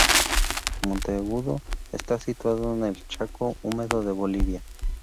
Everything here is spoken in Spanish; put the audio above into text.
Monteagudo está situado en el Chaco húmedo de Bolivia.